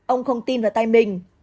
ông không tin vào tay mình